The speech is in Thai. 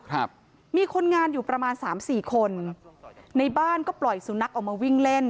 ครับมีคนงานอยู่ประมาณสามสี่คนในบ้านก็ปล่อยสุนัขออกมาวิ่งเล่น